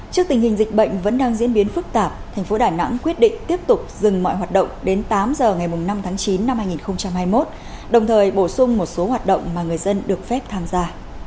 trước tình hình dịch bệnh vẫn đang diễn biến phức tạp thành phố đà nẵng quyết định tiếp tục dừng mọi hoạt động đến tám giờ ngày năm tháng chín năm hai nghìn hai mươi một đồng thời bổ sung một số hoạt động mà người dân được phép tham gia